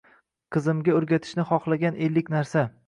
Qizimga o'rgatishni xohlagan ellik narsa.